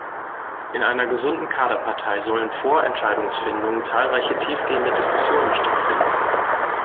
In einer gesunden Kaderpartei sollen vor Entscheidungsfindungen zahlreiche tiefgehende Diskussionen stattfinden.